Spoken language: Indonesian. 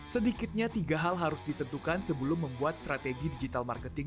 sedikitnya tiga hal harus ditentukan sebelum membuat strategi digital marketing